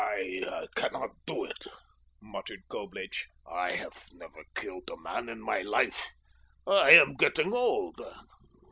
"I cannot do it," muttered Coblich. "I have never killed a man in my life. I am getting old.